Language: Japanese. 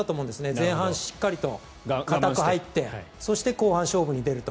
前半しっかりと堅く入ってそして後半、勝負に出ると。